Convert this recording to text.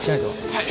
はい！